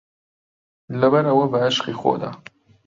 لەبەرئەوە بەعشقی خودا